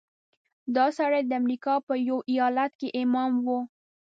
دا سړی د امریکا په یوه ایالت کې امام و.